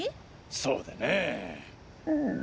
そうだな。